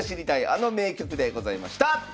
あの名局」でございました！